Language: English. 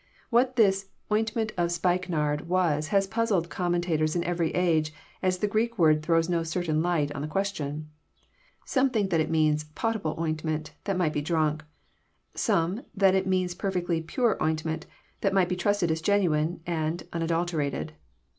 What this *' ointment of spikenard " was has puzzled the com mentators in every age, as the Greek word throws no certain light on the question. Some think that it means <* potable " oint ment, that might be drunk ; some that it means perfectly '< pure " ointment, that might be trusted as genuine and unadulterated.